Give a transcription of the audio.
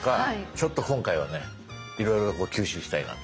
ちょっと今回はねいろいろこう吸収したいなと。